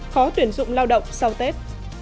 khó tuyển dụng lao động sau tết